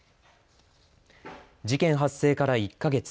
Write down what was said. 事件発生から１か月。